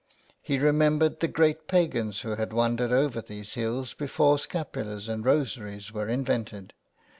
He remembered the great pagans who had wandered over these hills before scapulars and rosaries were invented.